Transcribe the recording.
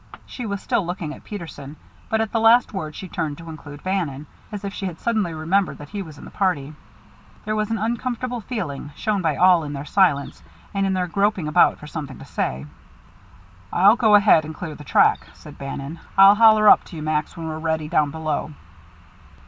She was still looking at Peterson, but at the last word she turned to include Bannon, as if she had suddenly remembered that he was in the party. There was an uncomfortable feeling, shown by all in their silence and in their groping about for something to say. "I'll go ahead and clear the track," said Bannon. "I'll holler up to you, Max, when we're ready down below."